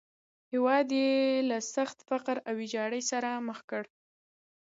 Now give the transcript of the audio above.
هېواد یې له سخت فقر او ویجاړۍ سره مخ کړ.